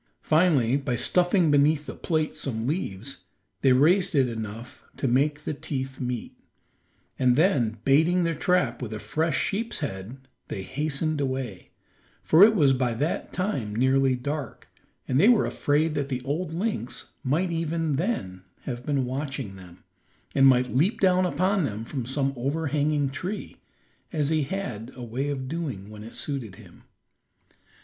Finally by stuffing beneath the plate some leaves, they raised it enough to make the teeth meet, and then baiting their trap with a fresh sheep's head, they hastened away, for it was by that time nearly dark, and they were afraid that the old lynx might even then have been watching them, and might leap down upon them from some overhanging tree, as he had a way of doing when it suited him.